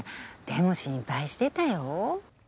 でも心配してたよ。